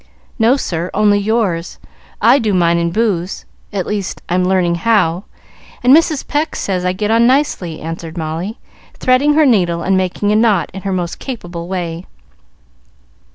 "No, sir; only yours. I do mine and Boo's. At least, I'm learning how, and Mrs. Pecq says I get on nicely," answered Molly, threading her needle and making a knot in her most capable way.